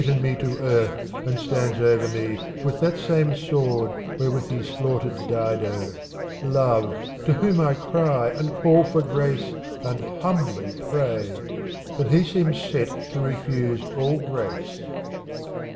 THE COMPLEMENT OF ODES 395 He has smitten nie to earth and stands over me With that same sword wherewith he slaughtered Dido, Love to whom I cry and call for grace and humbly pray, and he seems set to refuse all grace.